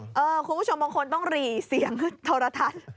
คุณผู้ชมบางคนต้องหรี่เสียงโทรทัศน์